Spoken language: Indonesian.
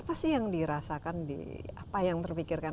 apa sih yang dirasakan di apa yang terpikirkan